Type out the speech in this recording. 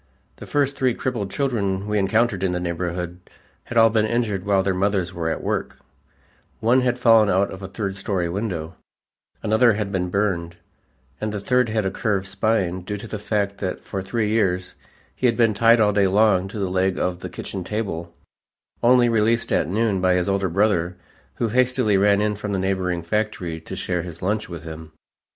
The first three crippled children we encountered in the neighborhood had all been injured while their mothers were at work: one had fallen out of a third story window, another had been burned, and the third had a curved spine due to the fact that for three years he had been tied all day long to the leg of the kitchen table, only released at noon by his older brother who hastily ran in from a neighboring factory to share his lunch with him.